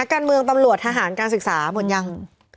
การเมืองตำรวจทหารการศึกษาหมดยัง